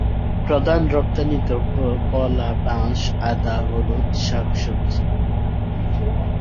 প্রধান রপ্তানি দ্রব্য কলা, বাঁশ, আদা, হলুদ, শাকসবজি।